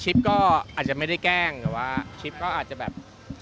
ก็อาจจะไม่ได้แกล้งแต่ว่าชิปก็อาจจะแบบ